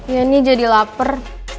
ya ini jadi lapar